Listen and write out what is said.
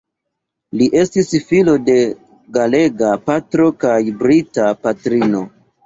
Li estis filo de galega patro kaj brita patrino.